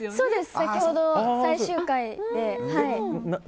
はい、先ほど最終回で。